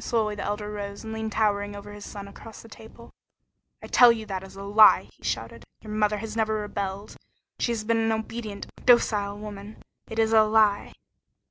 Slowly the Elder rose and leaned towering over his son across the table. "I tell you that is a lie!" he shouted. "Your mother has never rebelled. She has been an obedient, docile woman. It is a lie!"